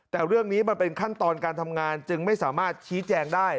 แต่เรื่องนี้มันเป็นขั้นตอนการทำงานจึงไม่สามารถชี้แจงได้